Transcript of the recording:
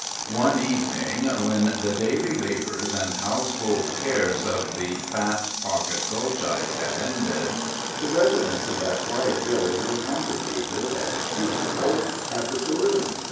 One evening, when the daily labors and household cares of the Pat Pocket Gulchites had ended, the residents of that quiet village were congregated, as usual, at the saloon.